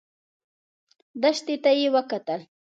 دښتې ته يې وکتل.